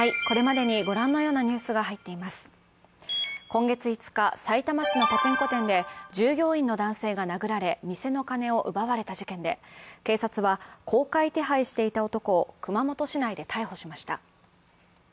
今月５日、埼玉県のパチンコ店で従業員の男性が殴られ、店の金を奪われた事件で、警察は公開手配していた男を熊本市内で逮捕しました。